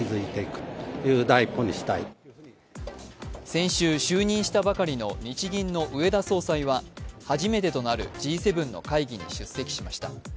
先週、就任したばかりの日銀の植田総裁は初めてとなるＧ７の会議に出席しました。